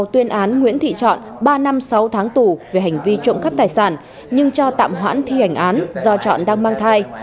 tuyên án nguyễn thị trọn ba năm sáu tháng tù về hành vi trộm cắp tài sản nhưng cho tạm hoãn thi hành án do chọn đang mang thai